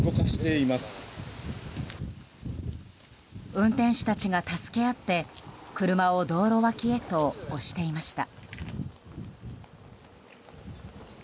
運転手たちが助け合って車を道路脇へと押していました。